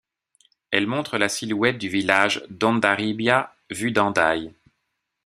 Elle montre la silhouette du village d'Hondarribia vue d'Hendaye.